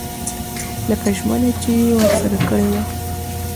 لکه ژمنه چې یې ورسره کړې وه.